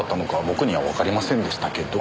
僕にはわかりませんでしたけど。